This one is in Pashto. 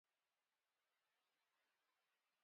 تالابونه د افغانانو ژوند په بېلابېلو برخو کې اغېزمنوي.